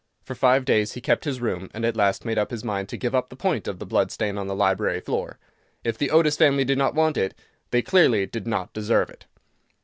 For five days he kept his room, and at last made up his mind to give up the point of the blood stain on the library floor. If the Otis family did not want it, they clearly did not deserve it.